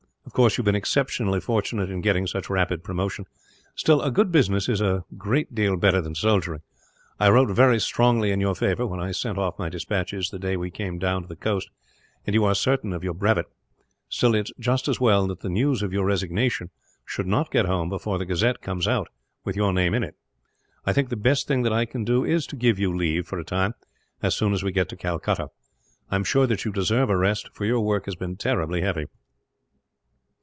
Of course, you have been exceptionally fortunate in getting such rapid promotion. Still, a good business is a great deal better than soldiering. I wrote very strongly in your favour, when I sent off my despatches the day we came down to the coast; and you are certain of your brevet. Still, it is just as well that the news of your resignation should not get home before the Gazette comes out, with your name in it. I think the best thing that I can do is to give you leave, for a time, as soon as we get to Calcutta. I am sure that you deserve a rest, for your work has been terribly heavy."